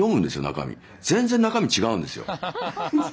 中身全然中身違うんですよ。